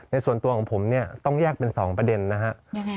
ส่วนตัวของผมเนี่ยต้องแยกเป็น๒ประเด็นนะครับ